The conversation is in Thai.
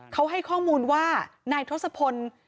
เขาให้ข้อมูลว่านายทศพล